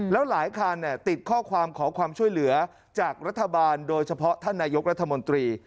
แล้วหลายคันติดข้อความขอความช่วยเหลือจากรัฐบาลโดยเฉพาะท่านนายกรัฐมนตรี